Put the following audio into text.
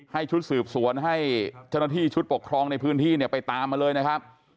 ชุดสืบสวนให้เจ้าหน้าที่ชุดปกครองในพื้นที่เนี่ยไปตามมาเลยนะครับ